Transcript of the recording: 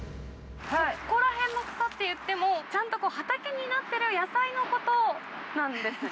そこらへんの草っていっても、ちゃんと畑になってる野菜のことなんですね。